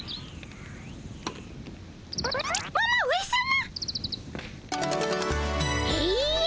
ママ上さま！